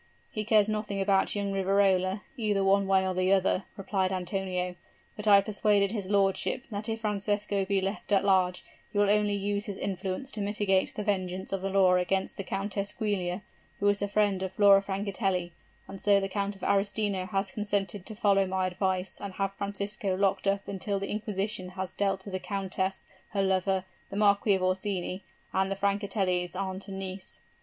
'He cares nothing about young Riverola, either one way or the other,' replied Antonio, 'but I have persuaded his lordship that if Francisco be left at large, he will only use his influence to mitigate the vengeance of the law against the Countess Giulia, who is the friend of Flora Francatelli: and so the Count of Arestino has consented to follow my advice and have Francisco locked up until the inquisition has dealt with the countess, her lover, the Marquis of Orsini, and the Francatellis, aunt and niece.'